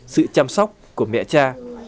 sự chăm sóc của mẹ cha